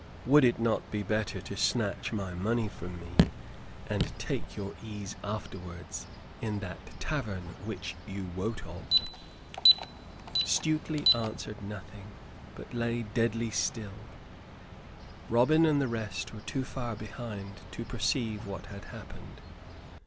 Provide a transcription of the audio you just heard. "Would it not be better to snatch my money from me, and take your ease afterwards in that tavern which you wot of?" Stuteley answered nothing, but lay deadly still. Robin and the rest were too far behind to perceive what had happened.